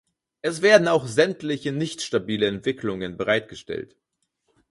Es werden auch sämtliche nicht stabile Entwicklungen bereitgestellt.